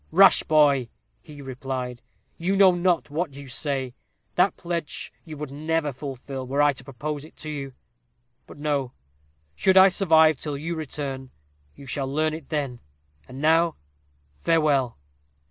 'Rash boy!' he replied, 'you know not what you say; that pledge you would never fulfil, were I to propose it to you; but no should I survive till you return, you shall learn it then and now, farewell.'